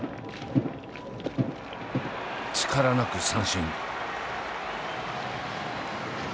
力なく三振。